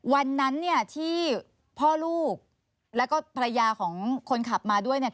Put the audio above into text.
วันนั้นเนี่ยที่พ่อลูกแล้วก็ภรรยาของคนขับมาด้วยเนี่ย